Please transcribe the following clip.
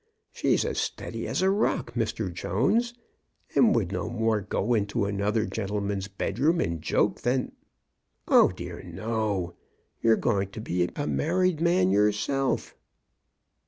She's as steady as a rock, Mr. Jones, and would no more go into another gentleman's bedroom in joke than — Oh dear no ! You're going to be a married man yourself."